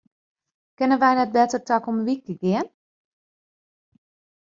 Kinne wy net better takom wike gean?